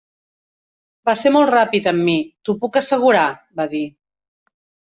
"Va ser molt ràpid amb mi, t'ho puc assegurar!", va dir.